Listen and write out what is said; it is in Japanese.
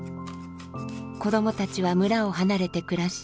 子どもたちは村を離れて暮らし